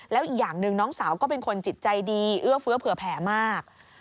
แล้วอีกอย่างหนึ่งน้องสาวก็เป็นคนจิตใจดีเอื้อเฟื้อเผื่อแผ่มาก